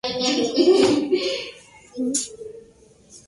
De todas maneras, don Belisario imprimió el discurso y lo hizo circular.